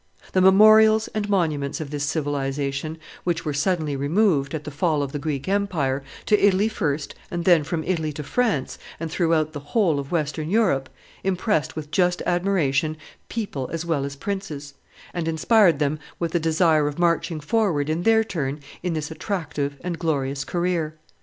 The memorials and monuments of this civilization, which were suddenly removed, at the fall of the Greek empire, to Italy first and then from Italy to France, and throughout the whole of Western Europe, impressed with just admiration people as well as princes, and inspired them with the desire of marching forward in their turn in this attractive and glorious career.